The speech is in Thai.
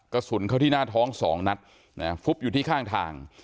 กระสุนเข้าที่หน้าท้อง๒นัดฟุบอยู่ที่ข้างทาง